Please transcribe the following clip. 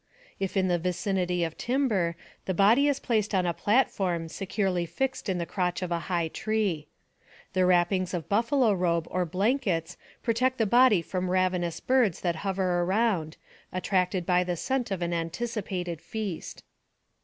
If in the vicinity of timber, the body is placed on a platform, securely fixed in the crotch of a high tree. The wrappings of buffalo robe or blankets protect the body from ravenous birds that hover around, attracted by the scent of an anticipated feast.